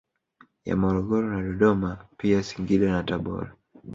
Ya Morogoro na Dodoma pia Singida na Tabora